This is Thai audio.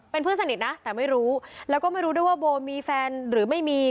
เป็นเพื่อนสนิทนะแต่ไม่รู้แล้วก็ไม่รู้ด้วยว่าโบมีแฟนหรือไม่มี